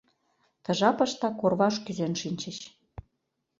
Ты жапыштак орваш кӱзен шинчыч.